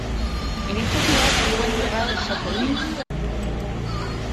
En esta ciudad fue enterrado Sófocles.